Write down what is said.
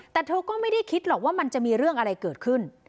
แต่เธอก็ไม่ได้คิดหรอกว่ามันจะมีเรื่องอะไรเกิดขึ้น